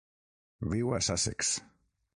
Viu a Sussex.